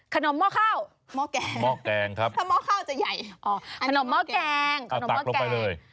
ขนมหม้อข้าวหม้อแกงถ้าม้อข้าวจะใหญ่อ๋อขนมหม้อแกงคัตะลงไปเลย